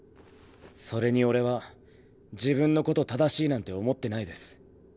それに俺は自分のこと正しいなんて思ってないです。